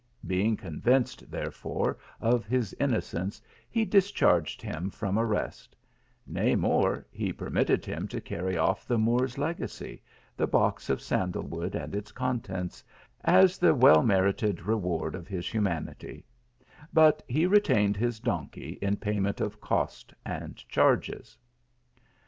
Being con vinced, therefore, of his innocence, he discharged him from arrest ; nay more, he permitted him to carry off the Moor s legacy, the box of sandal wood and its contents, as the well merited reward of his hu manity ; but he retained his donkey in payment of cost and charges.